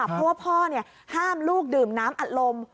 เพราะว่าพ่อห้ามลูกดื่มน้ำอัดลม